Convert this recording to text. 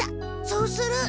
そうする。